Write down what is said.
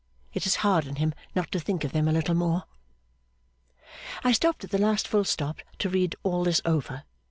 It is hard in him not to think of them a little more. I stopped at the last full stop to read all this over.